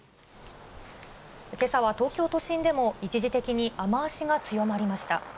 けさは東京都心でも、一時的に雨足が強まりました。